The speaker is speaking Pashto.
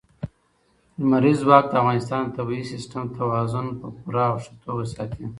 لمریز ځواک د افغانستان د طبعي سیسټم توازن په پوره او ښه توګه ساتي.